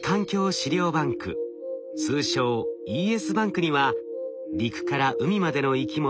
試料バンク通称ｅｓ−ＢＡＮＫには陸から海までの生き物